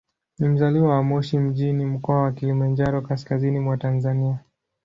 Ni mzaliwa wa Moshi mjini, Mkoa wa Kilimanjaro, kaskazini mwa Tanzania.